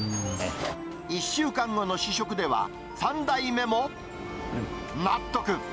１週間後の試食では、３代目も納得。